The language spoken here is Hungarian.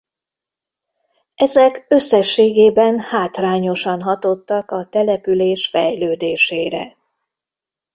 Ezek összességében hátrányosan hatottak a település fejlődésére.